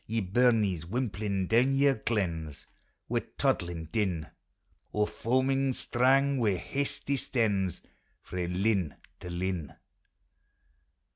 Ye burnies, wimplin' down your glens, Wi' toddliu' din, Or foaming strung, wi' hasty stens, Frae lin to liu